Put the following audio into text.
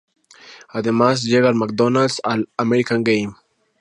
Además, llega al McDonald's All-American Game.